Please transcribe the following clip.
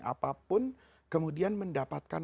apapun kemudian mendapatkan